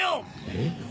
えっ？